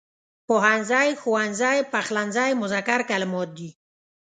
پوهنځی، ښوونځی، پخلنځی مذکر کلمات دي.